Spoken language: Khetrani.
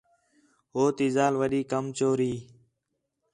ہو تی ذال وݙّی کم چور ہی